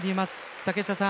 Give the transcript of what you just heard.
竹下さん